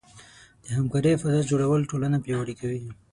د همکارۍ فضاء جوړول ټولنه پیاوړې کوي.